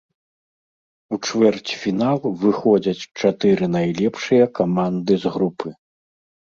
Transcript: У чвэрцьфінал выходзяць чатыры найлепшыя каманды з групы.